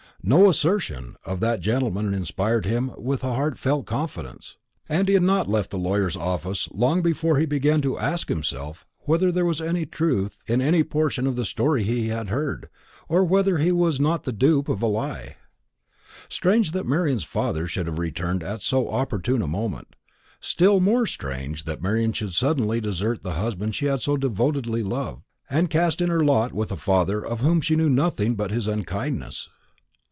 No assertion of that gentleman inspired him with heart felt confidence; and he had not left the lawyer's office long before he began to ask himself whether there was truth in any portion of the story he had heard, or whether he was not the dupe of a lie. Strange that Marian's father should have returned at so opportune a moment; still more strange that Marian should suddenly desert the husband she had so devotedly loved, and cast in her lot with a father of whom she knew nothing but his unkindness.